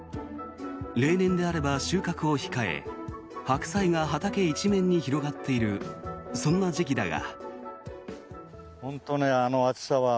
例年であれば収穫を控え白菜が畑一面に広がっているそんな時期だが。